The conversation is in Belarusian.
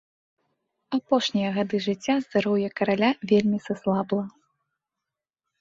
Апошнія гады жыцця здароўе караля вельмі саслабла.